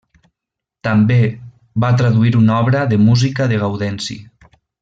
També va traduir una obra de música de Gaudenci.